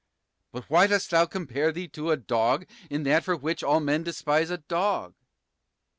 But why dost thou compare thee to a dog In that for which all men despise a dog?